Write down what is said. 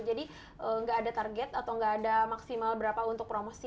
nggak ada target atau nggak ada maksimal berapa untuk promosi